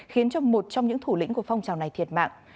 khiến cho một trong những thủ lĩnh của phong trào này thiệt mạng